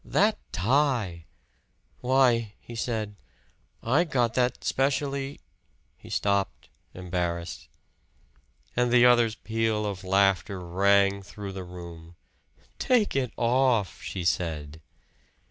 "That tie!" "Why!" he said "I got that specially " He stopped, embarrassed; and the other's peal of laughter rang through the room. "Take it off!" she said.